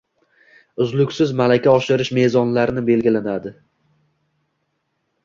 uzluksiz malaka oshirish mezonnlari belgilanadi.